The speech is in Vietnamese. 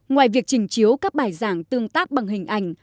ngoài việc trình chiếu các bài giảng tương tác bằng hình ảnh